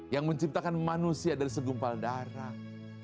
yang menciptakan manusia dari segumpal darah